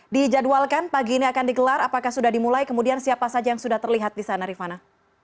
dijadwalkan pagi ini akan digelar apakah sudah dimulai kemudian siapa saja yang sudah terlihat di sana rifana